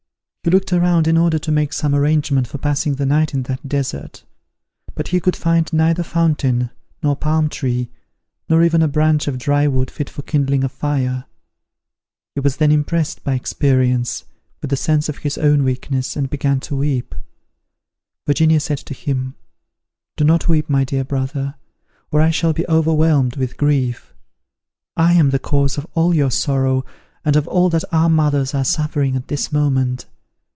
He looked around in order to make some arrangement for passing the night in that desert; but he could find neither fountain, nor palm tree, nor even a branch of dry wood fit for kindling a fire. He was then impressed, by experience, with the sense of his own weakness, and began to weep. Virginia said to him, "Do not weep, my dear brother, or I shall be overwhelmed with grief. I am the cause of all your sorrow, and of all that our mothers are suffering at this moment.